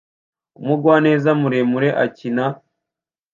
Umugwaneza muremure akina